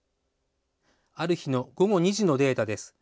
ある日の午後２時のデータです。